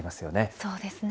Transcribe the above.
そうですね。